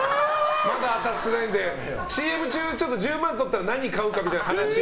まだ当たってないんで、ＣＭ中１０万円とったら何買うかみたいな話。